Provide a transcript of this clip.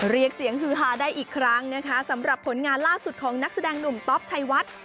เรียกเสียงฮือฮาได้อีกครั้งนะคะสำหรับผลงานล่าสุดของนักแสดงหนุ่มต๊อปชัยวัด